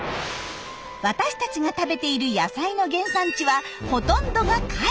私たちが食べている野菜の原産地はほとんどが海外。